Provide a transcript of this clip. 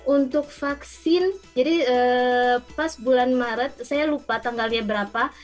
untuk vaksin jadi pas bulan maret saya lupa tanggalnya berapa